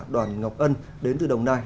đoàn ngọc ân đến từ đồng nai